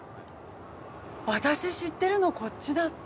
私知ってるのこっちだった。